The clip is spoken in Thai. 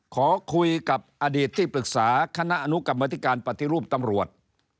ขอคุยกับอดีตที่ปรึกษาคณะอนุกรรมธิการปฏิรูปตำรวจ